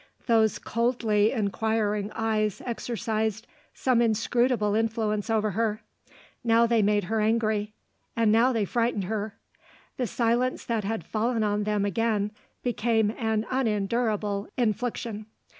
Those coldly inquiring eyes exercised some inscrutable influence over her. Now they made her angry; and now they frightened her. The silence that had fallen on them again, became an unendurable infliction.